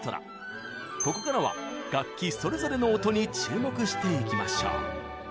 ここからは楽器それぞれの音に注目していきましょう。